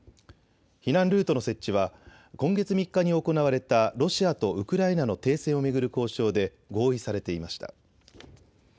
避難ルートの設置は今月３日に行われたロシアとウクライナの停戦を巡る交渉で合意されていました。